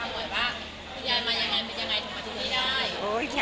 คุณยายมาอย่างไงเป็นยังไงถูกมาที่ที่นี่ได้